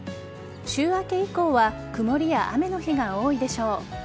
週明け以降は曇りや雨の日が多いでしょう。